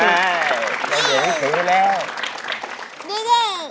ใช่เราเดินไปถึงกันแล้ว